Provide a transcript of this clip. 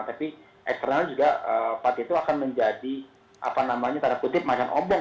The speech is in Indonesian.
tapi eksternal juga pak tito akan menjadi apa namanya tanda kutip makan obok